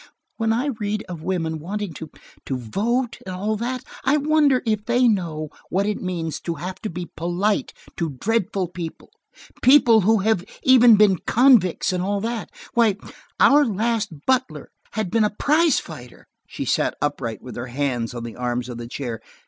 When I read of women wanting to–to vote and all that, I wonder if they know what it means to have to be polite to dreadful people, people who have even been convicts, and all that. Why, our last butler had been a prize fighter!" She sat upright with her hands on the arms of the chair.